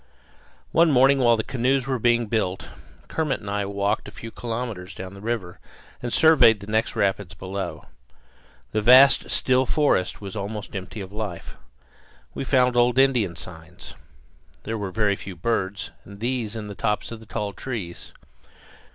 One morning while the canoes were being built Kermit and I walked a few kilometres down the river and surveyed the next rapids below. The vast still forest was almost empty of life. We found old Indian signs. There were very few birds, and these in the tops of the tall trees.